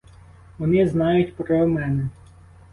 Вони знають про мене.